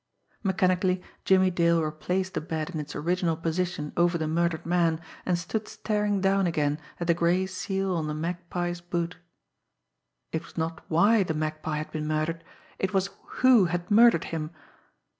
Mechanically Jimmie Dale replaced the bed in its original position over the murdered man, and stood staring down again at the gray seal on the Magpie's boot. It was not why the Magpie had been murdered, it was who had murdered him!